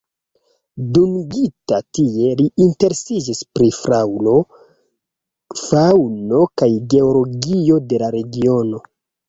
Dungita tie, li interesiĝis pri flaŭro, faŭno kaj geologio de la regiono.